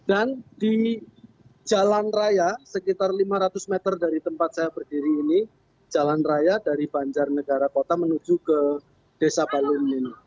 dan di jalan raya sekitar lima ratus meter dari tempat saya berdiri ini jalan raya dari banjarnegara kota menuju ke desa balun ini